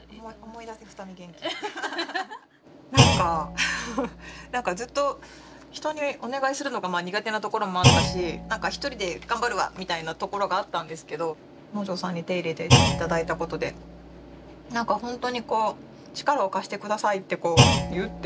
なんかなんかずっと人にお願いするのが苦手なところもあったし１人で頑張るわみたいなところがあったんですけど能條さんに手入れて頂いたことでなんかほんとにこう力を貸して下さいってこう言うって。